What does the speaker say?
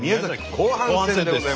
後半戦でございます。